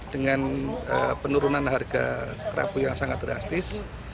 dengan penurunan harga kerapu yang sangat drastis